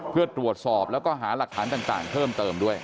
เพื่อตรวจสอบแล้วก็หาหลักฐานต่างเพิ่มเติมด้วย